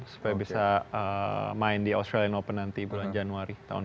supaya bisa main di australian open nanti bulan januari tahun ini